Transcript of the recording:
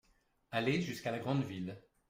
Aller jusqu’à la grande ville.